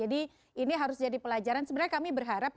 jadi ini harus jadi pelajaran sebenarnya kami berharap